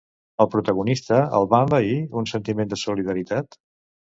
Al protagonista el va envair un sentiment de solidaritat?